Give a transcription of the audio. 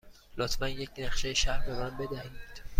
لطفاً یک نقشه شهر به من بدهید.